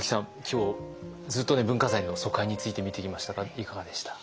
今日ずっと文化財の疎開について見てきましたがいかがでした？